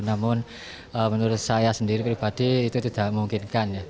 namun menurut saya sendiri pribadi itu tidak memungkinkan ya